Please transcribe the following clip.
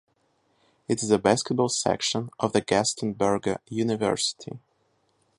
It is the basketball section of the Gaston Berger University.